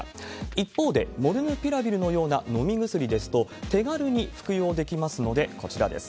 一方で、モルヌピラビルのような飲み薬ですと、手軽に服用できますので、こちらです。